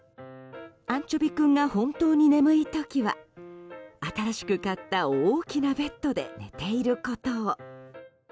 アンチョビ君が本当に眠い時は新しく買った大きなベッドで寝ていることを。